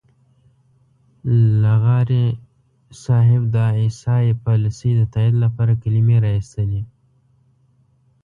لغاري صاحب د اى ايس اى پالیسۍ د تائید لپاره کلمې را اېستلې.